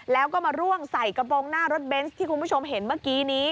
แล้วก็มาร่วงใส่กระโปรงหน้ารถเบนส์ที่คุณผู้ชมเห็นเมื่อกี้นี้